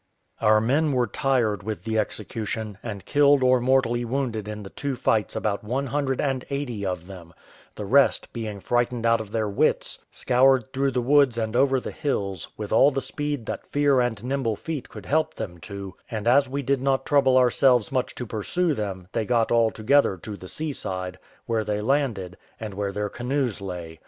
Our men were tired with the execution, and killed or mortally wounded in the two fights about one hundred and eighty of them; the rest, being frightened out of their wits, scoured through the woods and over the hills, with all the speed that fear and nimble feet could help them to; and as we did not trouble ourselves much to pursue them, they got all together to the seaside, where they landed, and where their canoes lay.